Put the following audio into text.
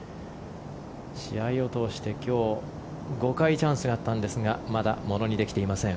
試合を通して、今日５回チャンスがあったんですがまだ、ものにできていません。